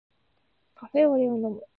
カフェオレを飲む